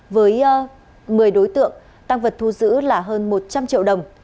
với một mươi đối tượng tăng vật thu giữ là hơn một trăm linh triệu đồng